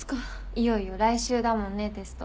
いよいよ来週だもんねテスト。